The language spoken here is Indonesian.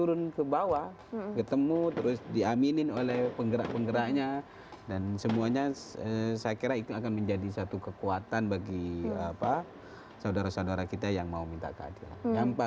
untuk memastikan segala informasi yang anda terima